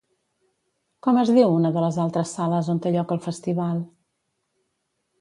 Com es diu una de les altres sales on té lloc el festival?